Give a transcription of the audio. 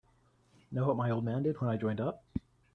Know what my old man did when I joined up?